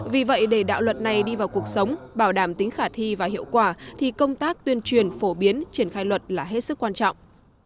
vì vậy để đạo luật này đi vào cuộc sống bảo đảm tính khả thi và hiệu quả thì công tác tuyên truyền phổ biến triển khai luật là hết sức quan trọng